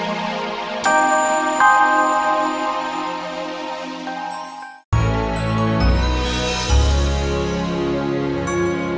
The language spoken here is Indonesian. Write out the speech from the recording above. assalamualaikum warahmatullah wabarakatuh